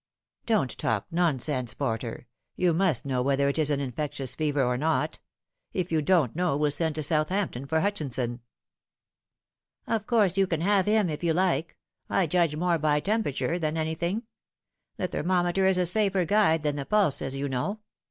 " Don't talk nonsense, Porter ; you must know whether it is an infectious fever or not. If you don't know, we'll send to Southampton for Hutchinson." " Of course, you can have him if you like. I judge more by temperature than anything the thermometer is a safer guide than the pulse, as you know.